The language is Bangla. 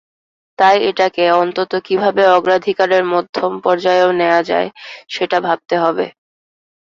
তাই এটাকে অন্তত কীভাবে অগ্রাধিকারের মধ্যম পর্যায়েও নেওয়া যায়, সেটা ভাবতে হবে।